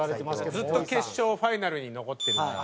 ずっと決勝ファイナルに残ってるから毎年。